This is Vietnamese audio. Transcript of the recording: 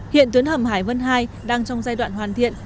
hiện tuyến hầm hải vân hai đang trong giai đoạn hoàn thiện